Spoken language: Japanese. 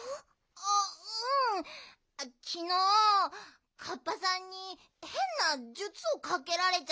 あっうんきのうカッパさんにへんなじゅつをかけられちゃって。